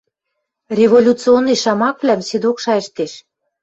Революционный шамаквлӓм седок шайыштеш.